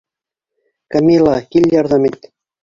Камила, кил ярҙам ит!